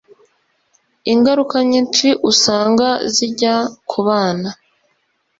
ingaruka nyinshi usanga zijya ku bana